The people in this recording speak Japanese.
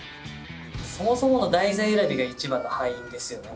そもそもの題材選びが一番の敗因ですよね